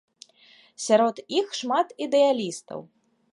Сярод іх шмат ідэалістаў.